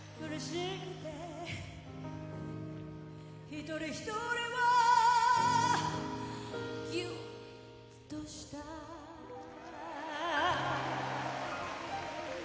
「一人一人をギュッとしたい」